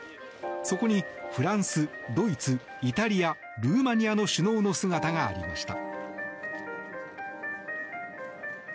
そこにフランス、ドイツイタリア、ルーマニアの首脳の姿がありました。